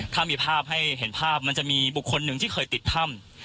ถ้ามีภาพให้เห็นภาพมันจะมีบุคคลหนึ่งที่เคยติดถ้ำ